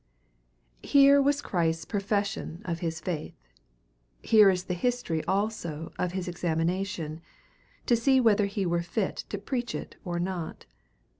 2 6 Here was Christ's profession of his faith; here is the history also of his examination, to see whether he were fit to preach or not.